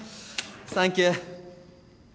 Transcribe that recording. サンキュー。